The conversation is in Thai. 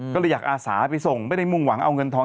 ก็เลยอยากอาสาไปส่งไม่ได้มุ่งหวังเอาเงินทอง